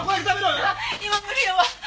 いや今無理やわ。